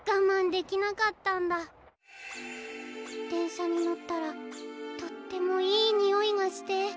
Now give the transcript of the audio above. でんしゃにのったらとってもいいにおいがして。